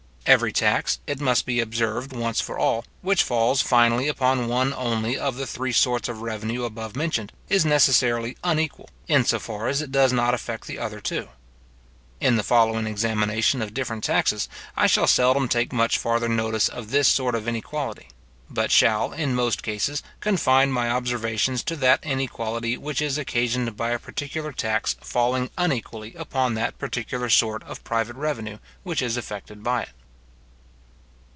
Every tax, it must be observed once for all, which falls finally upon one only of the three sorts of revenue above mentioned, is necessarily unequal, in so far as it does not affect the other two. In the following examination of different taxes, I shall seldom take much farther notice of this sort of inequality; but shall, in most cases, confine my observations to that inequality which is occasioned by a particular tax falling unequally upon that particular sort of private revenue which is affected by it.